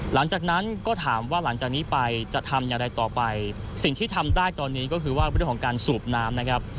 หลังจากนั้นก็ถามว่าหลังจากนี้ไปจะทำอย่างไรต่อไปสิ่งที่ทำได้ตอนนี้ก็คือว่าเรื่องของการสูบน้ำนะครับ